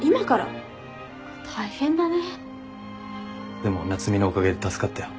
でも夏海のおかげで助かったよ。